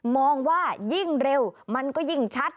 มองว่ายิ่งเร็วมันก็ยิ่งชัด